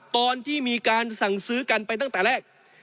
ตอนที่มีการสั่งซื้อกันไปตั้งแต่แรก